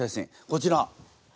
こちら。